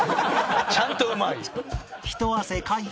ちゃんとうまい。